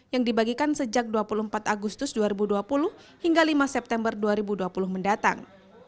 yang dibagikan sejak dua puluh empat agustus dua ribu dua puluh hingga lima september dua ribu dua puluh mendatang